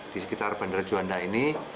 di sekitar bandara juanda ini